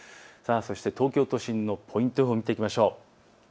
東京都心のポイント予報を見ていきましょう。